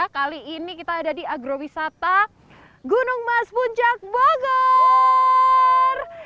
kali ini kita ada di agrowisata gunung mas puncak bogor